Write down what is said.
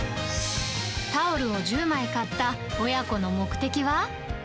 タオルを１０枚買った親子の目的は？